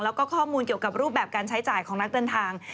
แล้วก็ข้อมูลเกี่ยวกับรูปแบบการใช้จ่ายของนักเดินทาง